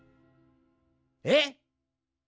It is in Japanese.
えっ？